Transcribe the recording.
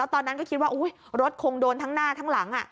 ตอนนั้นก็คิดว่ารถคงโดนทั้งหน้าทั้งหลัง